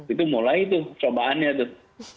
itu mulai tuh cobaannya tuh